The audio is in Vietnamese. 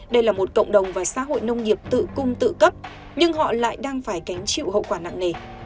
đây là một cộng đồng và xã hội nông nghiệp tự cung tự cấp nhưng họ lại đang phải gánh chịu hậu quả nặng nề